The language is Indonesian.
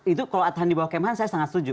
itu kalau adhan di bawah kemhan saya sangat setuju